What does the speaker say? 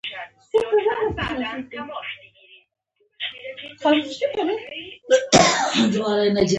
ادبیات د رڼا لار ده.